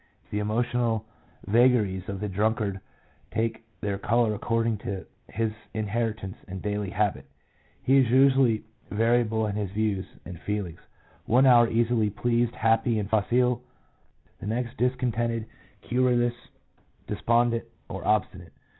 " The emotional vagaries of the drunkard take their colour according to his inheritance and daily habit. He is usually variable in his views and feelings — one hour easily pleased, happy and facile ; the next, discontented and querulous, despondent, or obstinate.